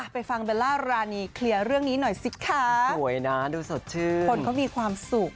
ไปฟังเบลล่ารานีเคลียร์เรื่องนี้หน่อยสิคะ